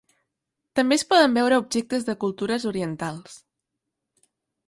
També es poden veure objectes de cultures orientals.